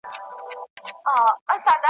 او د شا خورجین یې ټول وه خپل عیبونه .